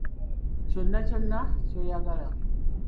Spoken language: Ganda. Kyonna kyonna ky’oyagala.